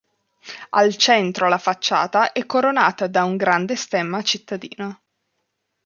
Al centro la facciata è coronata da un grande stemma cittadino.